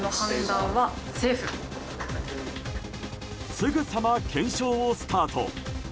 すぐさま検証をスタート。